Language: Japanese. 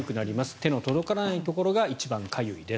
手の届かないところが一番かゆいです。